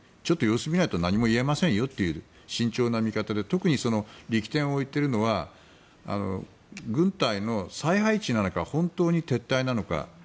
ちょっと様子見ないと何も言えませんよという慎重な見方で特に力点を置いているのは軍隊の再配置なのか本当に撤退なのか。